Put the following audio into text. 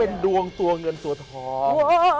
เป็นดวงตัวเงินสวถอน